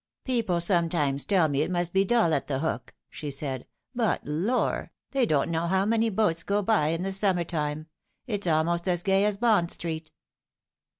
" People sometimes tell me it must be dull at The Hook," she said ;" but, lor 1 they don't know how many boats go by in summer time. It's alrjost as gay as Bond Street."